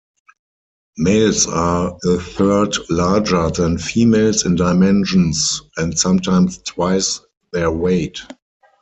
Males are a third larger than females in dimensions and sometimes twice their weight.